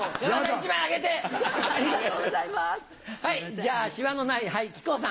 じゃシワのない木久扇さん。